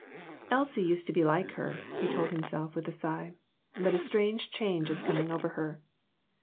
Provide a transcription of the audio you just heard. "Elsie used to be like her," he told himself, with a sigh; "but a strange change is coming over her."